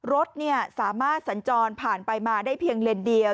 รถสามารถสัญจรผ่านไปมาได้เพียงเลนเดียว